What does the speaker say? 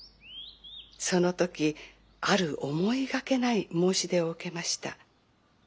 その時ある思いがけない申し出を受けました。